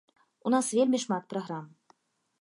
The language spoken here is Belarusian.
У нас вельмі шмат праграм.